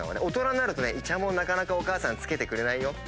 大人になるとイチャモンなかなかお母さんつけてくれないよ。